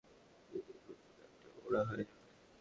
তরমুজের দুই মাথা কেটে ফেলে দিলেই খুব সুন্দর একটা মোড়া হয়ে যাবে।